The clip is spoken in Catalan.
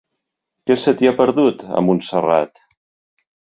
Què se t'hi ha perdut, a Montserrat?